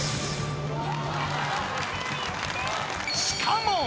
［しかも］